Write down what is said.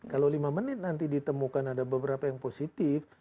kalau lima menit nanti ditemukan ada beberapa yang positif